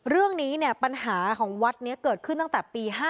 เรื่องนี้เนี่ยปัญหาของวัดนี้เกิดขึ้นตั้งแต่ปี๕๗